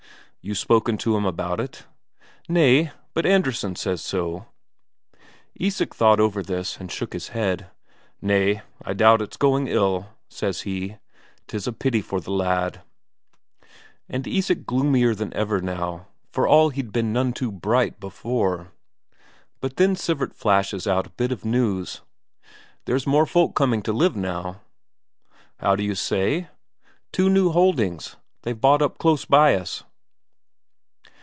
"You spoken to him about it?" "Nay; but Andresen he says so." Isak thought over this, and shook his head. "Nay, I doubt it's going ill," says he. "Tis a pity for the lad." And Isak gloomier than ever now, for all he'd been none too bright before. But then Sivert flashes out a bit of news: "There's more folk coming to live now." "How d'you say?" "Two new holdings. They've bought up close by us."